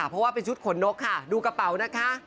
เพราะว่าเป็นชุดขนนกค่ะดูกระเป๋านะคะ